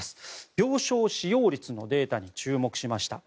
病床使用率のデータに注目しました。